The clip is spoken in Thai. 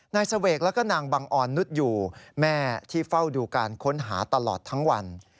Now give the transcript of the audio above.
นายเสวกแล้วก็นางบังออนนุษย์อยู่แม่ที่เฝ้าดูการค้นหาตลอดทั้งวัน